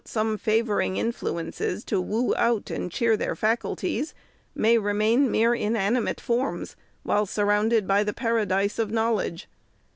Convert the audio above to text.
ome favoring 410 THE SECRETARY'S influences to woo out and cheer their faculties, may remain mere inanimate forms, while surrounded by the paradise of knowledge.